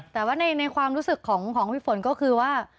แต่ว่าในความรู้สึกของพี่ฝนก็คือว่า